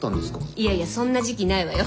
いやいやそんな時期ないわよ。